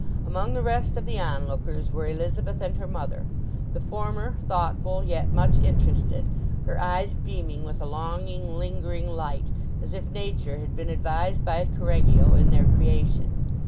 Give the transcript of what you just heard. Among the rest of the onlookers were Elizabeth and her mother—the former thoughtful yet much interested, her eyes beaming with a longing lingering light, as if Nature had been advised by Correggio in their creation.